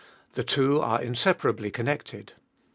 The two are inseparably con nected.